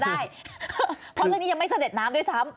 ได้เพราะเรื่องนี้ยังไม่เสด็จน้ำด้วยซ้ำ